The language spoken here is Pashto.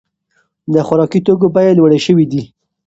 د خوراکي توکو بیې لوړې شوې دي.